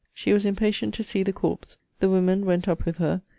She was impatient to see the corpse. The women went up with her.